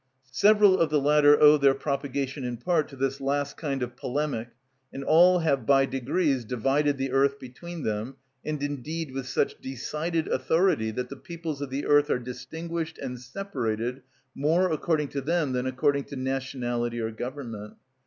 Several of the latter owe their propagation in part to this last kind of polemic, and all have by degrees divided the earth between them, and indeed with such decided authority that the peoples of the earth are distinguished and separated more according to them than according to nationality or government.